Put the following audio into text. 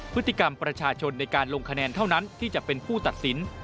พฤติกรรมประชาชนในการลงคะแนนเท่านั้นที่จะเป็นผู้ตัดสิน